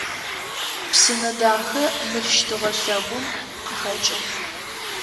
Псынэдахэ мыл щтыгъэ лъэгум къыхэкӏыгъ.